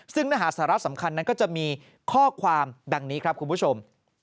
ซึ่งเนื้อหาสาระสำคัญนั้นก็จะมีข้อความดังนี้ครับคุณผู้ชม